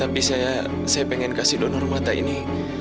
tapi saya pengen kasih donor mata ini